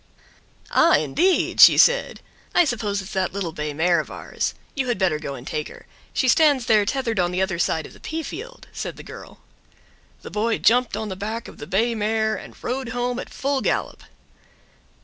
"Ah, indeed!" she said. "I suppose it's that little bay mare of ours. You had better go and take her. She stands there tethered on the other side of the pea field," said the girl. The boy jumped on the back of the bay mare and rode home at full gallop.